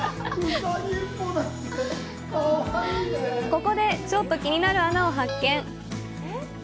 ここでちょっと気になる穴を発見！